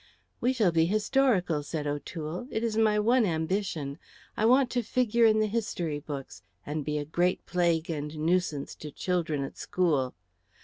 "We shall be historical," said O'Toole. "It is my one ambition. I want to figure in the history books and be a great plague and nuisance to children at school.